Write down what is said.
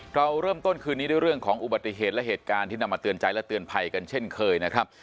เราเริ่มต้นคืนนี้ด้วยเรื่องของอุบัติเหตุและเหตุการณ์ที่นำมาเตือนใจและเตือนภัยกันเช่นเคยนะครับ